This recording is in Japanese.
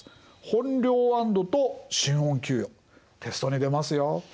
本領安堵と新恩給与テストに出ますよ。